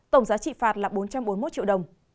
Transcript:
tổng giá trị phạt là bốn trăm bốn mươi một triệu đồng